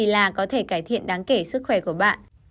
là có thể cải thiện đáng kể sức khỏe của bạn